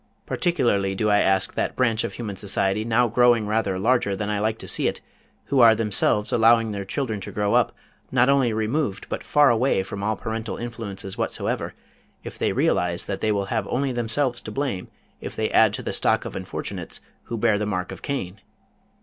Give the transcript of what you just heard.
Particularly do I ask that branch of human society, now growing rather larger than I like to see it, who are themselves allowing their children to grow up, not only removed but far away from all parental influences whatsoever, if they realize that they will have only themselves to blame if they add to the stock of unfortunates who bear the mark of Cain?